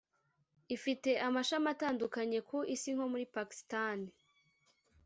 Ifite amashami atandukanye ku isi nko muri Pakistan